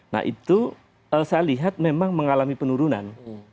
nah itu saya lihat memang mengalami penurunan